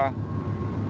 kami akan berkomitmen untuk